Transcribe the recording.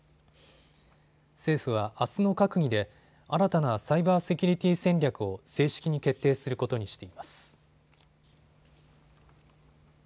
政府はあすの閣議で新たなサイバーセキュリティ戦略を正式に決定することにしています。